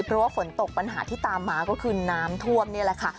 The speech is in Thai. เพราะว่าฝนตกปัญหาที่ตามมาก็คือน้ำท่วมนี่แหละค่ะ